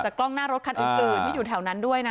กล้องหน้ารถคันอื่นที่อยู่แถวนั้นด้วยนะ